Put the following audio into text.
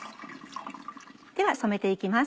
では染めて行きます。